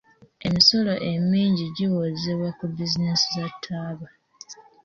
Emisolo emingi giwoozebwa ku bizinensi za ttaaba.